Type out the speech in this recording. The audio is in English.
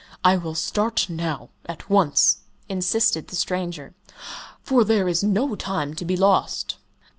"I will start now at once," insisted the stranger "for there is no time to be lost."